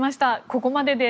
ここまでで。